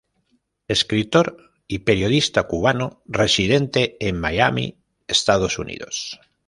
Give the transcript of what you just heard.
Escritor y periodista cubano residente en Miami, Estados Unidos.